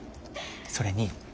それに。